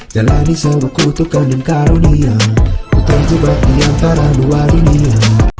jalani sebuah kutukan dan karunia ku terjebak di antara dua dunia